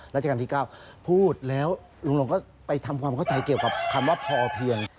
ราชการที่๙พูดแล้วลุงลงก็ไปทำความเข้าใจเกี่ยวกับคำว่าพอเพียง